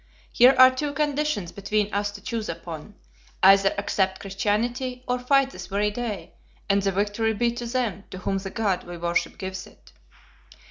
Here are two conditions between us to choose upon: either accept Christianity, or fight this very day, and the victory be to them to whom the God we worship gives it.'